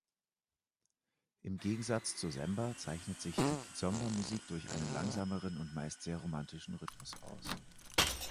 Im Gegensatz zur Semba zeichnet sich die Kizomba-Musik durch einen langsameren und meist sehr romantischen Rhythmus aus.